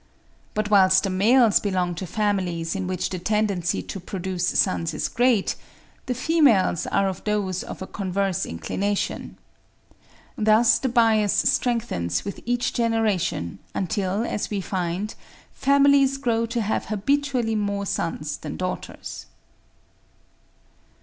But whilst the males belong to families in which the tendency to produce sons is great, the females are of those of a converse inclination. Thus the bias strengthens with each generation, until, as we find, families grow to have habitually more sons than daughters."